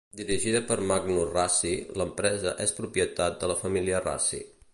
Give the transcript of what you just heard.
Dirigida per Magnus Rassy, l'empresa és propietat de la família Rassy.